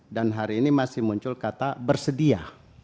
dan hari ini masih muncul kata bersedia